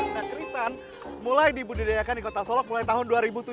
ikan kerisan mulai dibudidayakan di kota solok mulai tahun dua ribu tujuh belas